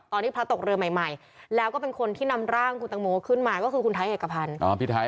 พระตกเรือใหม่แล้วก็เป็นคนที่นำร่างคุณตังโมขึ้นมาก็คือคุณไทยเอกพันธ์